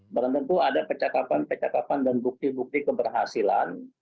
belum tentu ada percakapan percakapan dan bukti bukti keberhasilan